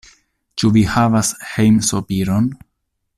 Ĉu vi havas hejmsopiron?